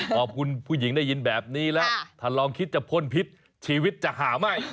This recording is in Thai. พอคุณผู้หญิงได้ยินแบบนี้แล้วถ้าลองคิดจะพ่นพิษชีวิตจะหาไม่